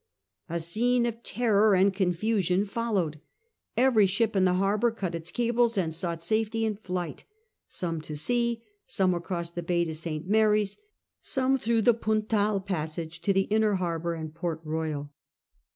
A scene of terror and confusion followed. Every ship in the harbour cut its cables and sought safety in flight, some to sea, some across the bay to St. Mary's, some through the Puntal passage to the inner harbour and Port Eoyal.